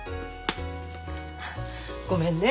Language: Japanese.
ごめんね。